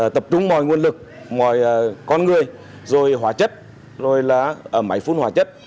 tập trung mọi nguồn lực mọi con người rồi hóa chất rồi là máy phun hóa chất